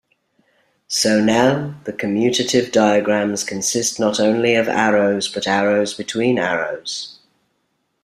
So now the commutative diagrams consist not only of arrows, but arrows between arrows.